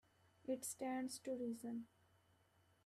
It stands to reason.